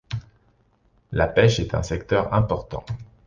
La pêche est un secteur important.